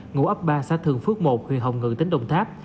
ngụ ấp ba xã thường phước một huyện hồng ngự tỉnh đồng tháp